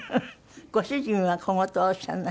ご主人は小言はおっしゃらない？